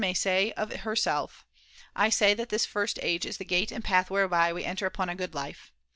may see of herself, I say that this first age is the gate and path whereby we enter upon a good life.